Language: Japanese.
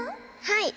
はい。